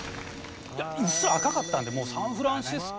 うっすら赤かったんでもうサンフランシスコ。